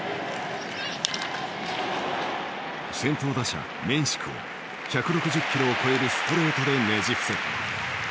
先頭打者メンシクを１６０キロを超えるストレートでねじ伏せる。